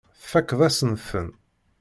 Tfakkeḍ-asen-ten.